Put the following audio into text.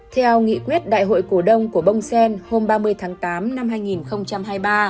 theo nghị quyết đại hội cổ đông của bông sen hôm ba mươi tháng tám năm hai nghìn hai mươi ba